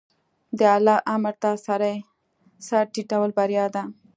د الله امر ته سر ټیټول بریا ده.